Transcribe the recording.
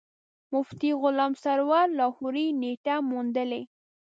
مفتي غلام سرور لاهوري نېټه موندلې.